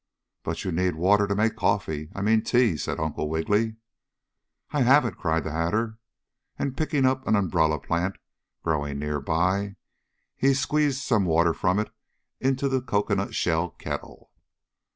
"But you need water to make coffee I mean tea," said Uncle Wiggily. "I have it!" cried the Hatter, and, picking up an umbrella plant growing near by, he squeezed some water from it into the cocoanut shell kettle.